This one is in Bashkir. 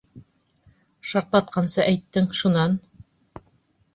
Шартлатҡансы әйттең, шунан?